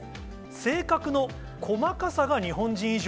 性格の細かさが日本人以上。